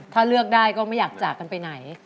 ถ้าเลือกได้ก็ไม่อยากจากกันไปไหน